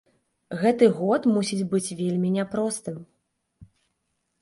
Гэты год мусіць быць вельмі няпростым.